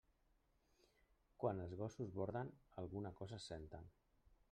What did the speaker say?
Quan els gossos borden alguna cosa senten.